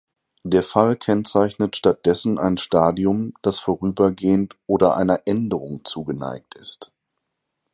Der Fall kennzeichnet stattdessen ein Stadium, das vorübergehend oder einer Änderung zugeneigt ist.